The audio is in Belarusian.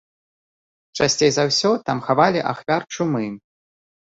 Часцей за ўсё там хавалі ахвяр чумы.